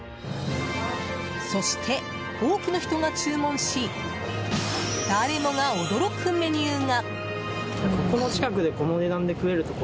そして多くの人が注文し誰もが驚くメニューが。